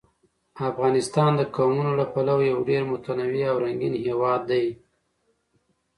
افغانستان د قومونه له پلوه یو ډېر متنوع او رنګین هېواد دی.